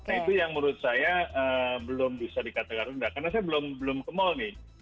nah itu yang menurut saya belum bisa dikatakan rendah karena saya belum ke mall nih